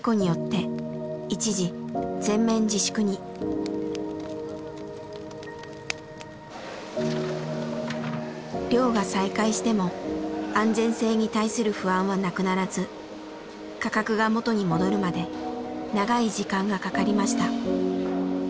福島の漁業は漁が再開しても安全性に対する不安はなくならず価格が元に戻るまで長い時間がかかりました。